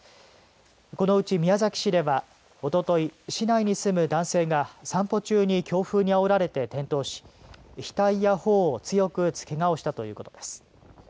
このうち宮崎市ではおととい市内に住む男性が散歩中に強風にあおられて転倒し額や頬を強く打つけがをしたということです。